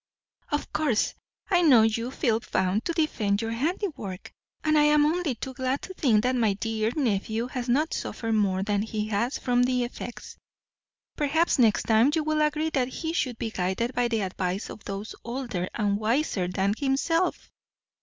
"Of course, I know you feel bound to defend your handiwork, and I am only too glad to think that my dear nephew has not suffered more than he has from the effects. Perhaps next time you will agree that he should be guided by the advice of those older and wiser than himself."